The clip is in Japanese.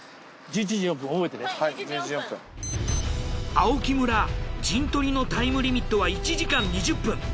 青木村陣取りのタイムリミットは１時間２０分。